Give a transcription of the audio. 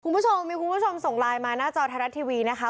คุณผู้ชมมีคุณผู้ชมส่งไลน์มาหน้าจอไทยรัฐทีวีนะคะ